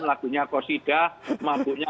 lagunya kosida maksudnya